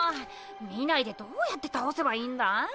見ないでどうやって倒せばいいんだ？